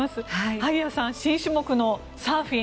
萩谷さん、新種目のサーフィン。